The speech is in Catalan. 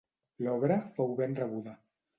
L'obra fou ben rebuda.